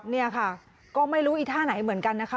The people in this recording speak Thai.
เนี่ยค่ะก็ไม่รู้อีท่าไหนเหมือนกันนะคะ